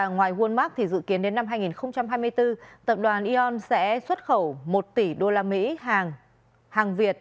ngoài walmart dự kiến đến năm hai nghìn hai mươi bốn tập đoàn e on sẽ xuất khẩu một tỷ usd hàng việt